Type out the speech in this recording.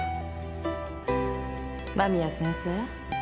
間宮先生。